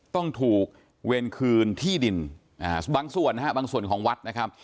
ต้องถูกเวรคืนที่ดินบางส่วนของวัด